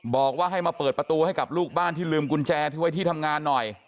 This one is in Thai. บอกว่าให้มาเปิดประตูให้กับลูกบ้านที่ลืมกุญแจที่ไว้ที่ทำงานหน่อย